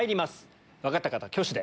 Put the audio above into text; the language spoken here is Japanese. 分かった方挙手で。